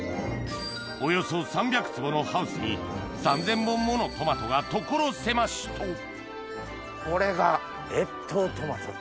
およそ３００坪のハウスに３０００本ものトマトが所狭しとこれが越冬トマトで。